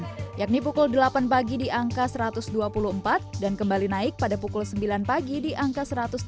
yakni pukul delapan pagi di angka satu ratus dua puluh empat dan kembali naik pada pukul sembilan pagi di angka satu ratus dua puluh